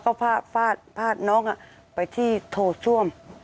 เขาก็พาดน้องไปที่โทษช่วม